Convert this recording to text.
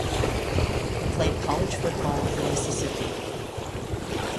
He played college football for Mississippi.